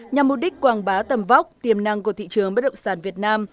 nhằm mục đích quảng bá tầm vóc tiềm năng của thị trường bất động sản việt nam